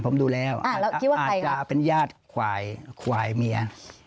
ผมดูแล้วอาจจะเป็นยาดควายเหมีย